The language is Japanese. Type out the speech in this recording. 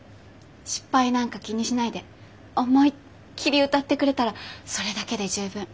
失敗なんか気にしないで思いっきり歌ってくれたらそれだけで十分。